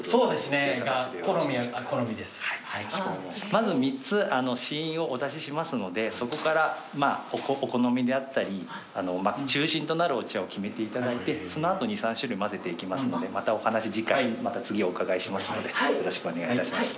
まず３つ試飲をお出ししますのでそこからお好みであったり中心となるお茶を決めていただいてその後２３種類混ぜていきますのでまたお話次回また次お伺いしますのでよろしくお願いいたします。